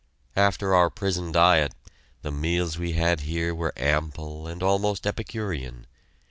After our prison diet, the meals we had here were ample and almost epicurean.